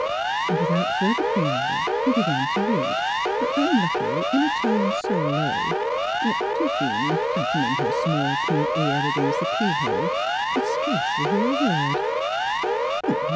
And without further preamble he be gan to read, but unluckily in a tone so low that Fifine, flattening her small pink ear against the keyhole could scarcely hear a word.